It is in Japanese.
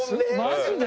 マジで？